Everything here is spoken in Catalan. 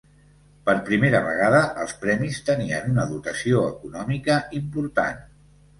Per primera vegada, els premis tenien una dotació econòmica important.